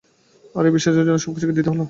আর এই বিশ্বাসের জন্যই তাকে সবকিছু দিতে হলো।